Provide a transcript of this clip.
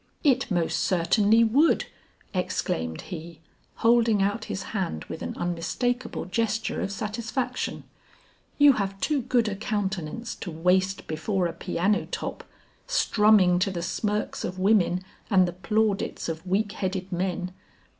"It most certainly would," exclaimed he, holding out his hand with an unmistakable gesture of satisfaction. "You have too good a countenance to waste before a piano top strumming to the smirks of women and the plaudits of weak headed men.